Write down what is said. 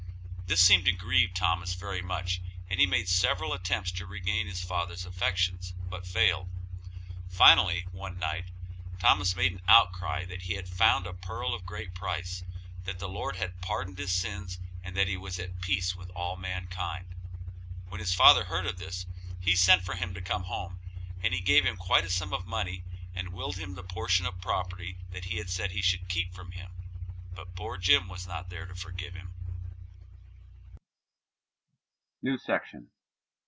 This seemed to grieve Thomas very much, and he made several attempts to regain his father's affections, but failed. Finally, one night, Thomas made an outcry that he had found a pearl of great price, that the Lord had pardoned his sins, and that he was at peace with all mankind. When his father heard of this, he sent for him to come home, and he gave him quite a sum of money and willed him the portion of property that he had said he should keep from him. But poor Jim was not there to forgive him.